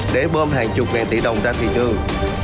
để bơm hàng chục ngàn tỷ đồng ra thị trường